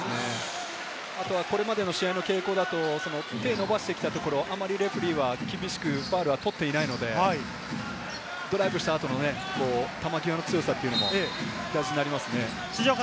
あとはこれまでの試合の傾向だと手を伸ばしてきたところ、あまりレフェリーは厳しくファウルはとっていないので、ドライブした後の球際の強さというのも大事になりますね。